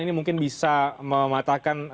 ini mungkin bisa mematahkan